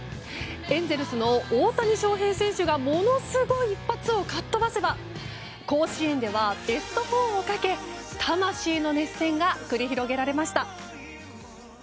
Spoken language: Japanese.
エンゼルスの大谷翔平選手がものすごい一発をかっ飛ばせば甲子園ではベスト４をかけ魂の熱戦が繰り広げられました。